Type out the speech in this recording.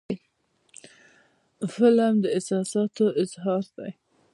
فلم د احساساتو اظهار دی